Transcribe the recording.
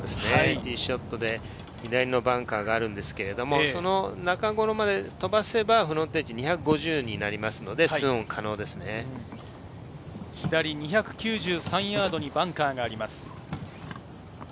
ティーショットで左のバンカーがあるんですがその中頃まで飛ばせば、フロントエッジ２５０になりますので、左２９３ヤードにバンカーがあります。